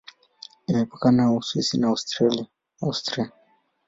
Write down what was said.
Imepakana na Uswisi na Austria.